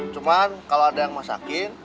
cuma kalau ada yang masakin biasa makan